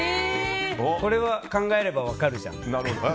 これは考えれば分かるじゃん。